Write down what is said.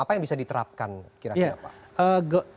apa yang bisa diterapkan kira kira pak